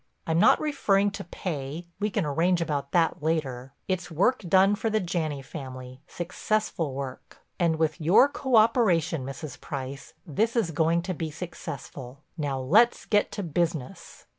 I'm not referring to pay—we can arrange about that later—it's work done for the Janney family, successful work. And with your coöperation, Mrs. Price, this is going to be successful. Now let's get to business."